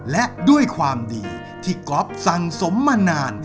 และด้วยความดีที่ก๊อฟสั่งสมมานาน